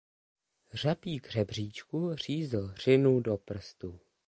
Řapík řebříčku řízl Řinu do prstu.